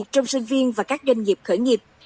trong sinh viên và các doanh nghiệp khởi nghiệp